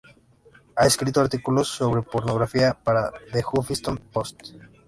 Ha escrito artículos sobre pornografía para "The Huffington Post".